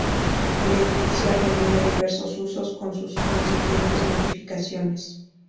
El edificio ha tenido diversos usos, con sus consiguientes modificaciones.